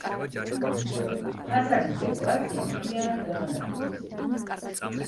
ფასადის დეკორაცია მთლიანად გაანადგურეს.